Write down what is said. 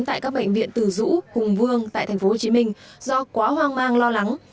tại các bệnh viện từ dũ hùng vương tại tp hcm do quá hoang mang lo lắng